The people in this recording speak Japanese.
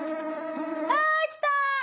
あ来た！